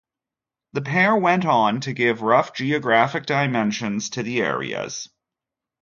The pair went on to give rough geographic dimensions to the areas.